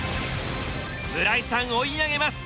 村井さん追い上げます！